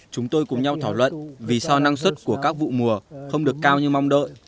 chúng tôi cùng nhau thảo luận vì sao năng suất của các vụ mùa không được cao như mong đợi